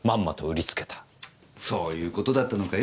そういう事だったのかよ！